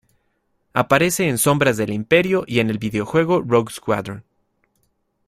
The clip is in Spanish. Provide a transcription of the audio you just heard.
Aparece en Sombras del Imperio y en el videojuego Rogue Squadron.